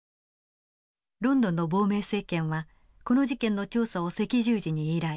ロンドンの亡命政権はこの事件の調査を赤十字に依頼。